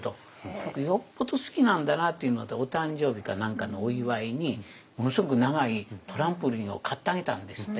この子よっぽど好きなんだなっていうのでお誕生日か何かのお祝いにものすごく長いトランポリンを買ってあげたんですって。